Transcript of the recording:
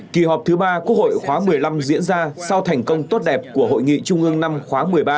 kỳ họp thứ ba quốc hội khóa một mươi năm diễn ra sau thành công tốt đẹp của hội nghị trung ương năm khóa một mươi ba